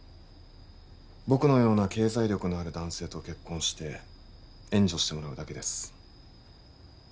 僕のような経済力のある男性と結婚して援助してもらうだけです